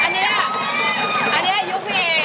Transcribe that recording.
อันนี้อ่ะอันนี้อายุคมี